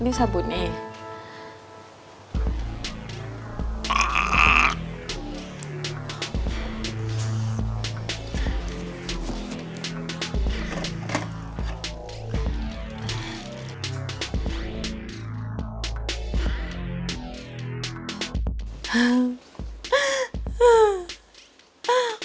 ini sabun nih